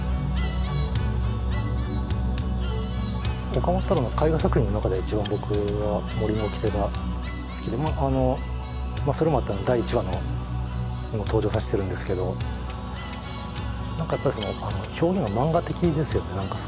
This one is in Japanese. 岡本太郎の絵画作品の中で一番僕は「森の掟」が好きでそれもあって第１話にも登場させてるんですけど何かやっぱり表現が漫画的ですよね。